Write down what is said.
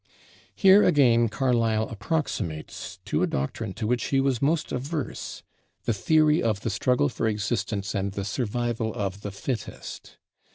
Here again Carlyle approximates to a doctrine to which he was most averse, the theory of the struggle for existence and the survival of the fittest.